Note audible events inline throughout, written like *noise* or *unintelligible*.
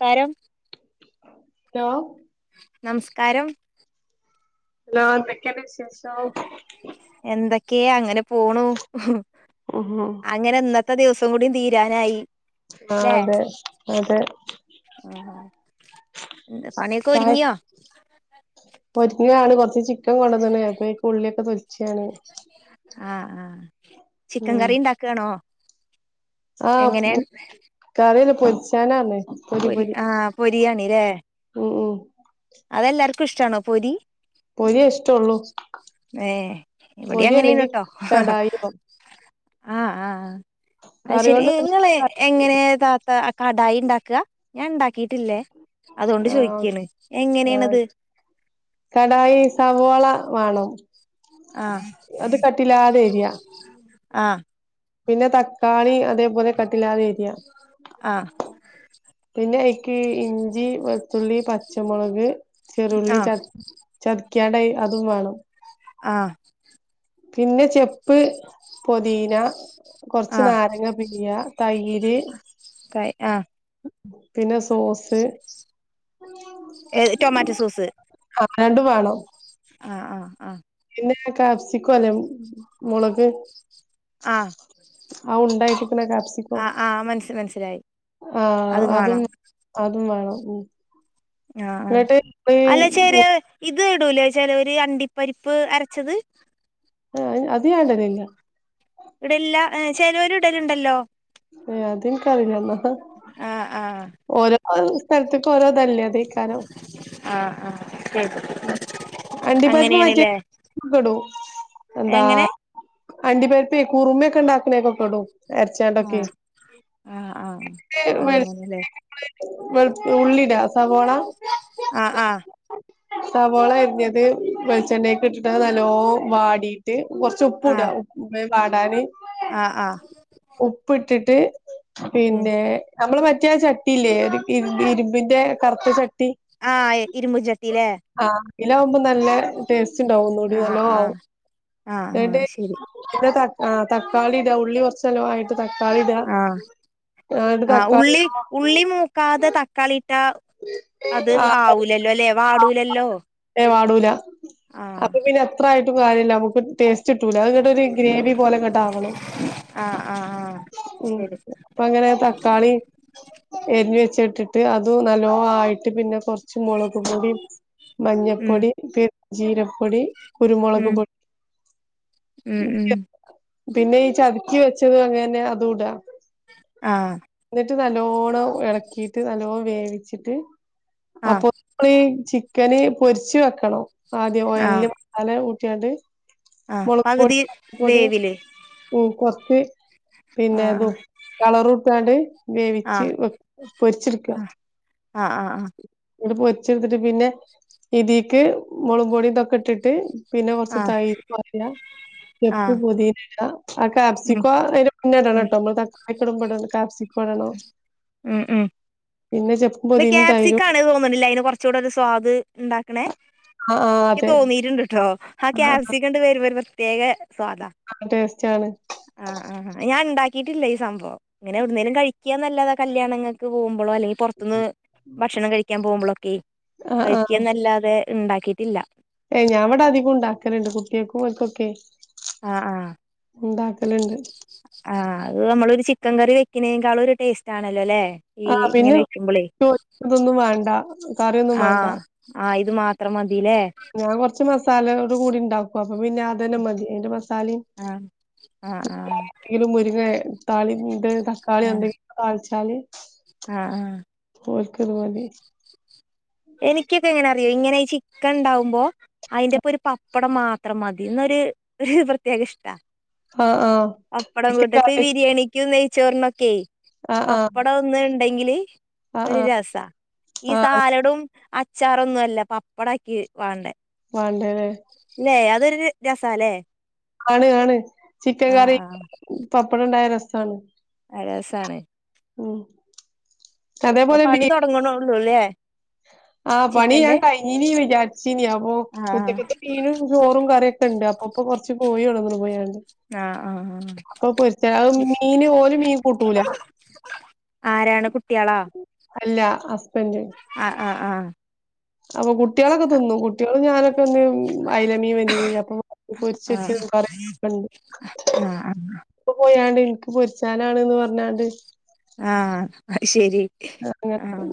കരം ഹലോ നമസ്കാരം ഹലോ എന്തൊക്കെയുണ്ട് വിശേ എന്തൊക്കെയാ അങ്ങനെ പോണു ആഹ് അങ്ങനെ ഇന്ന ത്തെ ദിവസം കൂടി തീരാനായി ആഹ് ല്ലേ അതെ അതെ പണിയൊക്കെ എ ഒരുങ്ങിയോ ഒരുങ്ങാണ് കൊർ *unintelligible* ക്കൻ കൊണ്ടോന്ന്ണ് അപ്പഴേക്ക് ഉള്ളിക്കെ തൊൽ ച്ചാണ് ആഹ് ആഹ് ചിക്കൻ ഉം കറി ഇണ്ടാക്കാണോ ആഹ് കറി പൊരിച്ചാനാന്ന് പൊരി ആഹ് പൊരിയാ നിരെ ഉ ഉം. അതെല്ലാർക്കും ഇഷ്ടാണോ പൊരി. പൊരി ഇഷ്ടള്ളു ഏഹ് ഇവിടെ പൊരി അങ്ങനെയാണ് അല്ലെങ്കിൽ ട്ടോ കടായിയോ ആഹ് ആഹ് അ ശരി കറിയോണ്ട് നിങ്ങെ എങ്ങനെതാത്ത കടായിണ്ടാക്ക? ഞാൻ ഇണ്ടാക്കി *unintelligible* അതുകൊണ്ട് ചോയ്ക്കാണ് ആ കടായി, സവോള വ ണം ആഹ് അത് കട്ടില്ലാതെ ഏരിയ ആ പിന്നെ തക്കാളി അതേപോലെ കട്ടിലാതെ ഏരിയ ആഹ് ക്ക് ഇഞ്ചി വെളുത്തുള്ളി പച്ചമുളക് ചെറുള്ളി ച ആഹ് ച കിക്കാണ്ട് അതും വാണം ആഹ് പിന്നെ ചെപ്പ് പദീന കുറച്ച് ആഹ് നാരങ്ങ പീയ തൈര് പിനസ് ഏ ട്ടൊമാറ്റോ സോസ് രണ്ടു വാണോ ആഹ് ആഹ് ആഹ് ന്നെ കാപ്സിക്കൊല്ലേ മൊളക് ആഹ് ഉണ്ടായി ക്നാ കാപ്സിക്കോ ആഹ് ആഹ് മനസ് മനസ്സിലായി അഹ് അതും അ ഉം വേണം ഉ നാ അഹ് അലച്ചേരേ ഇ ത് ടൂലേ ചെലോര് അണ്ടിപ്പരിപ്പ് അര്ച്ചത് അഹ് അയ് അത് നാ ഇഡലില്ല ഇടൽല്ല എഹ് ചെലോര് ഇടല്ണ്ടല്ലോ എഹ് അത്ൻകറീല്ലന്നാ ആഹ് ആഹ് ഓരോ അഹ് സ്ഥൽത്ത് കൊറതല്ലേ അതെകാരം ആഹ് ആഹ് ശരി അണ്ടിപര്പ്പ് മറ്റി അങ്ങനെയാണ്ല്ലേ കോടോ എന്താ എങ്ങനെ അണ്ടി പര്പേയ് കുറുമിഒക്കെ ണ്ടാക്ണെക്കൊക്കെടും അര്ച്ചാ ആഹ് ആഹ് ആഹ് അങ്ങനല്ലേ വെൾത്തുള്ളിടാ സവാള ആഹ് ആഹ് സവോളയിരിഞ്ഞത് വെളിച്ചെണ്ണേക്ക് ഇട്ടിട്ട് നല്ലോ വാടീട്ട് കുർച്ച് ഉപ്പൂട ആഹ് ഉ എ പാടാൻ ആഹ് ആഹ് ഇട്ടിട്ട് ഉം പിന്നെ നമ്മൾ പറ്റിയ ചട്ടിയില്ലേ ഒരു ഇരുമ്പിന്റെ കറുത്ത ചട്ടി ആഹ് ഇരുമ്പും ചട്ടില്ലേ ആ ഇലകുമ്പോ നല്ല ണ്ടാവും ഒന്നൂടി ആഹ് നല്ലോ ആവും ആഹ് ആഹ് ആഹ് ശരി *unintelligible* ആഹ് തക്കാളി ഇടാ ഉള്ളി കുറച്ചാൽ ആയിട്ട് തക്കാളി ഇടാ ആഹ് ആട്ട് ആ ഉള്ളി തക്കാളി ഉള്ളി മൂക്കാതെ തക്കാളി ഇട്ടാ അത് ആഹ് ആവൂലല്ലോ ലെ വാടൂലല്ലോ ആവൂല ആഹ് അപ്പ പിന്നെ എത്ര ആയിട്ട് ഒരു കാര്യല്ല നമുക്ക് ടേസ് ച്ചിട്ടൂല അങ്ട്ടൊര് ഗ്രേവി പോലെങ്ങട്ടാവണം ആഹ് ആഹ് ആഹ് ഉം ശരി അപ്പങ്ങനെ തക്കാളീം എരിഞ്ഞ് വെച്ചിട്ടിട്ട് അതും നല്ലോം ആയിട്ട് പിന്നെ കുറ ച്ച് മുളക് പൊടി ഉം മഞ്ഞപ്പൊടി പി ജീരകപ്പൊടി കുരുമുളക് ഉം പൊട് ഉം ഉം പിന്നെയി ചതച്ചു വെച് ത് അങ്ങനെ അതൂടാ ആഹ് ട്ട് നല്ലോണ്ണം എളക്കിട്ട് നല്ലോ വേവിച്ചിട്ട് ആഹ് അപ്പൊ *unintelligible* ചി ക്കന് പൊരിച്ച് വെക്കണോ ആദ്യം ആഹ് ഓയലില് മസാല *unintelligible* റ്റഡ് ആഹ് പകുതി വേവില് മ *unintelligible* പിന്നെ ആഹ് അതു കളർമുകട്ടാണ്ട് വേവിച്ച് ആഹ് പൊരിച്ചിടുക്കുക. ആഹ് ആഹ് ആഹ് ആഹ് ഇവിടെ പൊരിച്ചുച്ചെടുത്തിട്ട് പിന്നെ ഇത്തിലേക്ക് മുളക് പൊടി ഇതൊക്കെ ഇട്ടിട്ട് പിന്നെ കുറച്ച് ആഹ് തൈര് പറായ ചെപ്പു ആഹ് പുതിന ഉം ക്യാപ്സിക്കും അത്തിനുനെ മുന്നേടാണ് ഉം കേട്ടോ നമ്മ ക്യാപ്‌സിക്കം ട്ടാണോ പിന്നെ അപ്പൊ പൊതീനിം ക്യാപ്സിക്ക തൈരും അനുതോന്നുണ്ടല്ലെ അതിന് കുറച്ചുകൂടെ ഒരു സ്വാദ് ഉണ്ടാക്കണേ ആ ആ എനിക്ക് അതെ തോന്നീട്ടുണ്ട് കേട്ടോ ആ ക്യാപ്‌സികമാങ്ങോട്ട് വരുപ്പോ ഒരു പ്രത്യേക സ്വാദാ. ആ ടേസ്റ്റ് ആണ് ആ ആ ഞാനുണ്ടാക്കിട്ട് ഇവിടെയില്ല ഈ സംഭവം ഇങ്ങനെ എവിടുത്തെലും കഴിക്കുകന്നല്ലതാ കല്യാണൾക്ക് പോകുമ്പോ അല്ലയെക്കിൽ പുറത്ത് പോകുമ്പോ പുറത്തുന്ന് ഭക്ഷണം കഴിക്കാൻ പോകുമ്പോളൊക്കെ ആ കഴിക്കുക എന്നല്ലാതെ ഉണ്ടാക്കിയിട്ടില്ല ഏയ് ഞാൻ ഇവിടെ അധികം ഉണ്ടാക്കറുണ്ട് കുട്ടികൾക്കും ഒക്കൊക്കെ ആഹ ആഹ ആ അത് നമ്മളൊരു ചി ചിക്കൻ കറി വെക്ക്നേക്കാളും ഒരു ടേസ്റ്റ് ആണല്ലോ ല്ലേ ഈ ആ ഇങ്ങനെ പിന്നെ വെക്കുമ്പളേ ചോദിച്ചതൊന്നും വേണ്ട കറിയൊന്നും വേണ്ട ആഹ് ആഹ് ഇ ത് മാത്രം മ ഞാൻ കൊറച്ച് മസാലയോട് കൂടി ഇണ്ടാക്കും അപ്പൊ പിന്നെ ആർ അതന്നെ മതി അയ്ന്റെ മ സാലിം ആഹ് ആഹ് ആഹ് മുരിങ്ങേ താളിണ്ട് തകാളി ആഹ് ണ്ടെങ്കി താളി താല് ആഹ് ആഹ് ഓൽക്കത് മതി എനിക്കൊക്കെ ഇങ്ങനെ അറിയോ ഇങ്ങനെ ചിക്കൻ ഉണ്ടാവുമ്പോ അതിന്റെപ്പൊ ഒരു പപ്പടം മാത്രം മതി ന്നാ ഒരു പ്രത്യേക ഇഷ്ടാ. ആഹ് ആഹ് പപ്പടം ചിക്കൻ വീട്ട്ത്തെ കറി ബിരിയാണിക്കും നെയ് ചോർ നൊക്കെ ആഹ് ആഹ് പപ്പടം ഒന്ന് ഇ ഇണ്ടെങ്കില് ആഹ് ഒരു രസാ ഈ ആഹ് ആഹ് സാലടും അ അച്ചാറൊന്നുല്ല പപ്പടാ ഇക്കി വാണ്ടേ വാണ്ടേത് ഇതൊരു രസാല്ലേ ആണ് ആണ് ചിക്കൻ കറി ആഹ് പപ്പടണ്ടായ രസ സാണ് രസാണ് ഓ പണി തോടങ്ങ്ണോള്ളൂല്ലേ ആ പണി ഞാൻ കഴിഞ്ഞീനി വിചാരിച്ചീനി അപ്പൊ ആഹ് ഉച്ചക്കത്തെ മീനും ചോറും കറിയൊക്കെണ്ട് അപ്പൊ ഇപ്പൊ കൊറച്ച് കോഴിണ്ടന്ന്ണ് പോയാണ്ട് ആ ആ ആ അപ്പൊ പൊരിച്ച അത് മീന് ഓല് മീൻ കൂട്ടൂല ആരാണ് കുട്ട്യാളാ അല്ല ഹസ്ബന്റ് ആ ആ ആ അപ്പ കു കുട്ട്യാളൊക്കെ തിന്നു കുട്ട്യാളും ഞാനൊക്കെ ഇന്ന് അയ്ലമീൻ വന്നീനല്ലോ അപ്പ ആഹ് പൊരിച്ച്ച്ചതും കറിച്ചതൊക്കെണ്ട് ആഹ് ഇപ്പൊ പോയാണ്ട് ന്ക്ക് പൊരിച്ചാനാണ്ന്ന് പറഞ്ഞാണ്ട് ആഹ ശരി ങ്ങന ആഹ്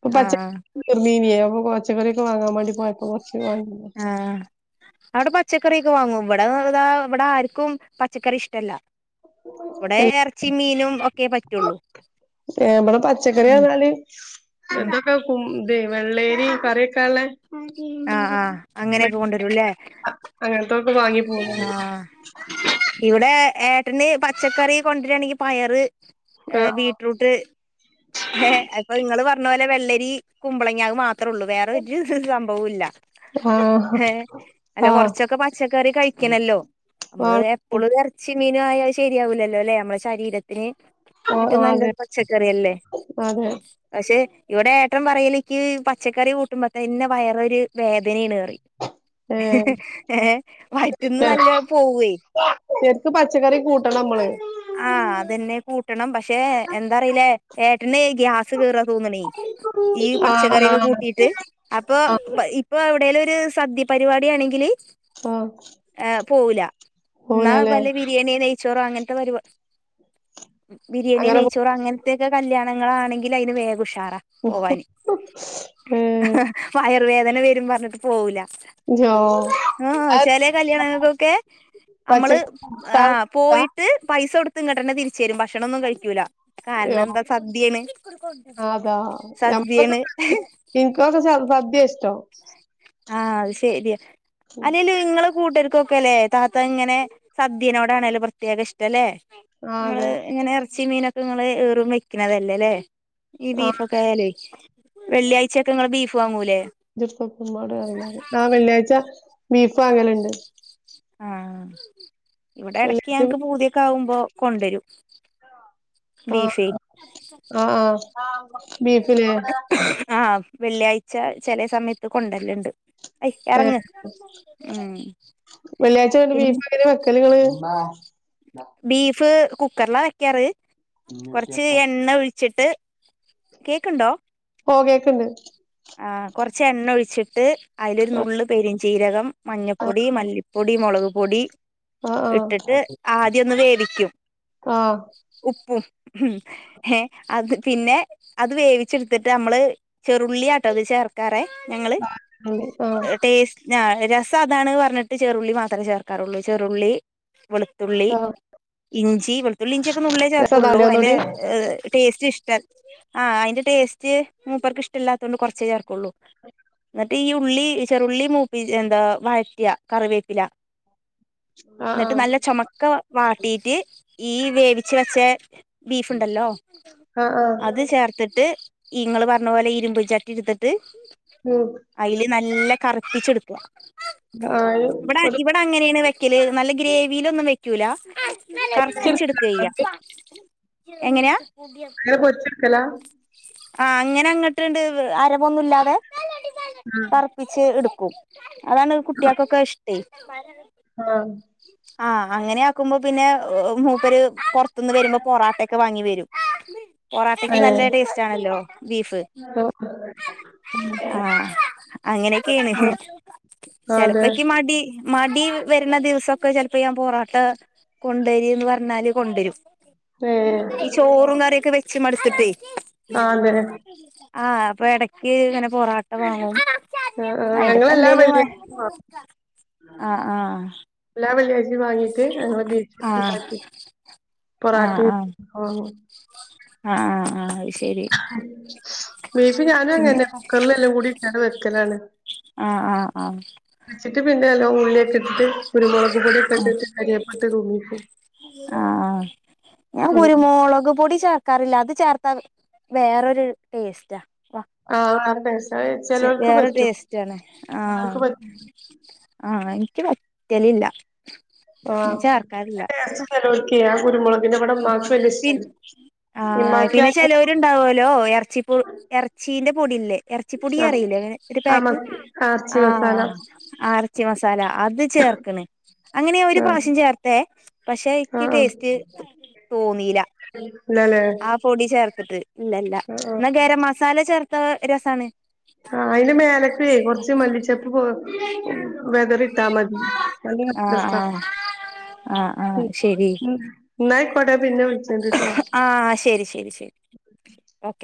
പ്പൊ ആഹ് പച്ചക്കറി തീർന്നിനിയ അപ്പൊ കൊ ങ്ങന പ്പൊ പച്ചക്കറി തീർന്നിനിയ അപ്പൊ കൊ ആ അവിടെ പച്ചക്കറി ക്കെ വാങ്ങും ഇവിടെതാ ഇവിടെ ആർക്കും പച്ചക്കറി ഇഷ്ടമല്ല ടെ ഒക്കെ പറ്റുള്ളൂ ഏ വടെ പച്ചക്കറി ഉം ർഞ്ഞാല് ഉം തക്കൊ വല്ലേരി കറി കള ആഹ് ആഹ് *unintelligible* അങ്ങൻ തോ ആ ഇവിടെ ഏ ട്ടന് പച്ചക്കറി കൊണ്ടരാണെങ്കി പയറ് ഏ ബീട്റൂട്ട് എ അപ്പൊ നിങ്ങള് പറഞ്ഞ പോലെ വെല്ലരി കുമ്പളങ്ങ അത് മാത്രം ത്രള്ളൂ വേറ സംഭവല്ല ആഹ് അല്ല ആഹ് കുറച്ചൊക്കെ പച്ചക്കറി കഴിക്കണല്ലോ നമ്മള് ആഹ് എുപ്പളൊരു റച്ചീമീ യ ശരിയാവില്ലല്ലോ അല്ലേ നമ്മളുടെ ശരീരത്തിന് തറ്റും അതെ നല്ലത് പച്ചക്കറിയല്ലേ അതെ റ്റെ ഇവിടെ ഏട്ടൻ പറയല് എനിക്ക് പച്ചക്കറി കൂട്ടുമ്പോ തന്നെ വയറൊരു വേദനണേന്ന് പറയും ഏഹ് ഏഹ് വയറ്റീന്ന് നല്ല പോവേ ശരിക്ക് പച്ചക്കറി കൂട്ടണം നമ്മള് ആ അതെന്നെ കൂട്ടണം പക്ഷെ എന്താറിയില്ലേ? ചേട്ടനെ ഗ്യാസ് കേറന്ന് തോന്നണേ ഈ ആഹ് പച്ചക്കറൊക്കെ ആഹ് കൂട്ടീട്ട് അപ്പ ആഹ് ഇപ്പ ഇവിടേൽ ഒരു സദ്യ പരിപാടി ആണെങ്കില് ഓഹ്. പോവൂലാ. ന്നാ ബല്ല ബിരിയാണിയെ നെയ് ച്ചോറോ അങ്ങനത്തെ പരുവാ ബിരിയാണി അങ്ങനെ നെയ്ച്ചോറ് അങ്ങനെ കല്യാണങ്ങളാണെങ്കിൽ അയിന് വേഗം ഉഷാ ഉഷാറാ ഏഹ് പോവാന് വേദന വരും പറഞ്ഞിട്ട് പോവൂല്ല ജോ ആ അത് ചെല കല്യാണങ്ങൾക്കൊക്കെ നമ്മള് പച്ചക്കറി ആ കൂട്ടാ പോയിട്ട് പൈസ കൊടുക്ക ഇങ്ങട്ടെന്നെ തിരിച്ച് വരും ഭക്ഷണൊന്നും കഴിക്കൂല്ല അയ്യോ അതാ നമ്മക്കൊക്കെ സദ്യയാണ് *unintelligible* ഇനക്ക്ക്ക *unintelligible* ഇഷ് ആഹ് അത് ശരിയ അല്ലേലും ഇങ്ങളെ കൂട്ടർക്കൊ ക്കലെ താത്ത ഇങ്ങനെ സദ്യനോടാനലെ പ്രത്യേക ഇഷ്ട്ടല്ലെ. ആഹ് നമ്മള് അതെ എങ്ങനെ എറ ച്ചി മീനൊക്കെ നിങ്ങള് ഏറും വെക്കുന്നതല്ലെലെ? ഈ ആഹ് ബീഫൊക്കായാലേ വെള്ളിയാഴ്ചൊക്കെ നിങ്ങള് ബീഫ് വാങ്ങൂലെ ട് അ ആ വെള്ളിയാഴ്ച്ച ബീഫും അങ്ങനെുണ്ട് ആഹ് ഇവിടെ ഇടയ്ക്ക് വെള്ളിയാഴ്ച ഞങ്ങക്ക് പൂതിയൊക്ക ആവും കൊണ്ടരും ആഹ് ആഹ് ആഹ് ബീഫില് ആഹ് വെള്ളിയാഴ്ച ചെല സമയ കൊണ്ടര്ല്ണ്ട്. ഏ വെള്ളിയാഴ്ച വ പിന്നെ വീപ്പ അങ്ങനെ വെക്കലുങ്ങള് ബീഫ് കുക്കറില വെക്കാറ് കുറച്ച് എണ്ണ ഒഴിച്ചിട്ട് കേക്കുണ്ടോ ഓഹ് കേക്ക്ണ്ട് ആഹ് കൊറച്ച് എണ്ണ ഒഴിച്ചിട്ട് അതിലൊരു ആഹ് നുള്ള് പെരി ചീരകം ആഹ് മഞ്ഞപ്പൊടി മല്ലിപ്പൊടി മുളക് പൊടി ആഹ് ഇട്ടിട്ട് ആദ്യം ഒന്ന് വേവിക്കും ആഹ് ഉപ്പും ഉം ഏഹ് അത് പിന്നെ അത് വേവിച്ചെടുത്തിട്ട് നമ്മള് ചെറുള്ളി- ട്ടത് ചേർക്കാറേ ഞങ്ങള് അതെ ആഹ് ടേസ് ഞാ രസം അതാണ് പറഞ്ഞിട്ട് ചെറുള്ളി മാത്രെ ചേർക്കാറുള്ളൂ ചെറുള്ളി വെളു ത്തുള്ളി ആഹ് ഇഞ്ചി വെളുത്തുള്ളി ഇഞ്ചിയൊക്കെ നുള്ളേ ചേർക്കുള്ളൂ രസണ്ടാവുലേ അതിന്റെ ഒന്നൂടി ടേസ്റ്റ് ഇഷ്ടം ആഹ് അയിന്റെ ടേസ്റ്റ് മൂപ്പർക്ക് ഇഷ്ടല്ല തോണ്ട് കൊർച്ചേ ചേർക്കുള്ളൂ എന്നിട്ട് ഈ ഉള്ളി ചെറുള്ളി മൂപ്പി എന്താ വയറ്റിയ കറിവേപ്പില ആഹ് എന്നിട്ട് ആഹ് നല്ല ചമക്ക വാ ട്ടീട്ട് ഈ വേവിച്വെച്ച ബീഫ്ുണ്ടല്ലോ ആഹ് അത് ആഹ് ചേർത്തെട്ട് ഇങ്ങള് പറഞ്ഞ പോലെ ഇരുമ്പ് ചട്ടി എടുത്തിട്ട് ഉം ല്ല കറപ്പിച്ചെടുക്കുക ആഹ് ഇവിടെ ഒരു ഇവിടെ അങ്ങനെയാണ് വ രക്കല് നല്ല ഗ്രേവീലൊന്നും വെക്കൂല കറപ്പിച്ചെടുക്കുവാ പൊരിച്ചെടുക്കലാണോ ചെയ്യാ എങ്ങനെയാ അന കൊറച്ചടുക്കല ആഹ അങ്ങനെ അങ്ങോട്ട്ുണ്ട് അരമൊന്നുമല്ലാതെ കറുപ്പിിച്ചച്ച് എടുക്ക കു അതാണ് കുട്ടികൾക്കൊക്കെ ഇഷ്ടേ പറ *unintelligible* ആഹ ആഹ് അങ്ങനെ ആക്കുമ്പോ പിന്നെ മൂപ്പര് പുറത്തുന്ന് വരുമ്പോ പൊറോട്ടൊക്കെ വാങ്ങി വരും പൊറാട്ടക്ക് ഏഹ് നല്ല ടേസ്റ്റ് ആണല്ലോ ബീഫ് ആഹ് ആഹ അങ്ങനെയൊക്കെയാണ് ആഹ് അതെ ചെിലപ്പോക്കെ മടി മടി വരുന്ന ദിവസൊക്കെ ചിലപ്പൊക്കെ ഞാൻ പൊറാട്ട കൊണ്ടരീ എന്ന് പറഞ്ഞാല് കൊണ്ടുവരും ഏ ഈ ചോറും കറിയൊക്കെ വെച്ച് മടുത്തിട്ടേ ആ അതെ ആഹ് അപ്പൊ ഇടക്ക് ഇങ്ങനെ പൊറാട്ട വാങ്ങും ആ ആ അയിന്റെപ്പ ഞങ്ങളെല്ലാ എന്തേലും ആഹ് വെള്ളിയഴ്ച മാങ്ങും ആഹ് എല്ലാ വെള്ളിയാഴ്ച വാങ്ങിട്ട് ഞങ്ങൾ ബീഫ് ആഹ് ഇണ്ടാക്കി പൊറാട്ട മാങ്ങും ആ ആ ആ ബീഫ് ഞാനും പിന്നെ അങ്ങനെന്നെ കുക്കറിലെല്ലം കൂടി ഇട്ട് വെക്കലാണ് ആഹ് ആഹ് വെച്ചിട്ട് പിന്ന ല്ല ഉള്ളിഒക്കെ ഇട്ട് ന്നട്ട് കുരുമുളക് പൊടി ഒക്കെ ആഹ് ഇട്ട് കറിവേപ്പ്‌ ഇട്ട് തൂമിക്കും ആഹ് ആഹ് കറില്ലാതെ ചേർത്താൽ വേറൊരു ടേസ്റ്റാ ആഹ് ഹ് ബസ് വേറെ ടേസ്റ്റ് ആണ് ഉമ്മാക്ക് ആഹ് പറ്റും ആഹ് ആഹ് എനിക്ക് പറ്റലില്ല ഞാൻ ആഹ് കുരുമുളക് പി ആഹ് ഇമ്മാക്ക് ആ പിന്നെ ചിലവരുണ്ടാവുല്ലോ ഇറച്ചിപ്പു ഇറച്ചീന്റെ പൂടീല്ലേ ഇറച്ചിപ്പൊടി ആഹ് അറിയില്ലേ ഒരു ആ മ പാക്ക് ആർച്ചി മസാല ആഹ് ആഹ് ഇറച്ചി മസാല അത് ചേർക്കണ് അങ്ങനെ ഞാൻ ഒരു ആഹ് പ്രാവശ്യം ചേർത്തേ പക്ഷേ എനിക്ക് ആഹ് ആഹ് ടേസ്റ്റ് തോന്നീല ഇല്ലല്ലേ ആ പൊടി ചേർത്ത് ചേർത്തിട്ട് ഇല്ല ഇല്ല ആഹ് ആഹ് എന്ന ഗരം മസാല ചേർ ത്താ രസാണ് ആ അതിന്റെ മേലേക്കേ കൊറച്ച് മല്ലിച്ചപ്പ് പോ വെതറിയിട്ടാ മതി നല്ല ആ രസാ ആ ആ ആ മ്മ് ശരി മ്മ് എന്നാ ആയിക്കോട്ടെ ഞാൻ പിന്നെ വിളിച്ചണ്ട് ട്ടോ ആ ശരി ശരി ശരി ഓക്കെ